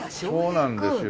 そうなんですよ。